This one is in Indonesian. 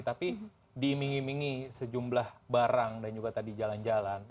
tapi diiming imingi sejumlah barang dan juga tadi jalan jalan